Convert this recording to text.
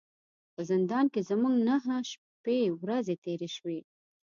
په زندان کې زموږ نه نهه شپې ورځې تیرې شوې.